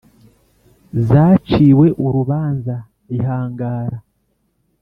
zaciwe urubanza ihangara